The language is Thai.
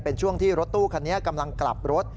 เป็นช่วงที่รถตู้คันนี้กำลังกลับรถ